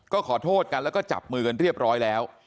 ก็ขอโทษกันแล้วก็จับมือกันเรียบร้อยแล้ว